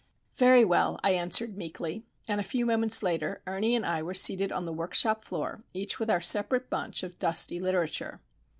"Very well," I answered, meekly. And a few moments later Ernie and I were seated on the workshop floor, each with our separate bunch of dusty literature.